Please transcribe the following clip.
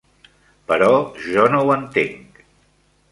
Però jo no ho entenc.